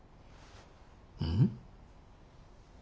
うん？